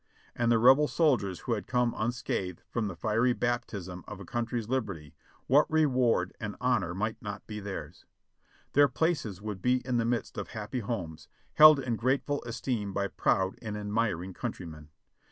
And the Rebel soldiers who had come unscathed from the fiery baptism of a country's liberty, what reward and honor might not be theirs? Their places would be in the midst of happy homes, held in grateful esteem by proud and admiring countrymen.